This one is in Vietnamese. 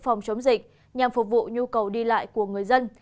phòng chống dịch nhằm phục vụ nhu cầu đi lại của người dân